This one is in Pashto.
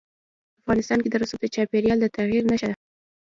افغانستان کې رسوب د چاپېریال د تغیر نښه ده.